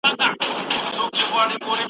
له اټکه تر کنړه تر هیلمنده